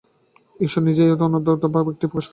ঈশ্বর নিজেই এই অনন্ত মনে এই ভাবের একটি স্থূল প্রকাশ।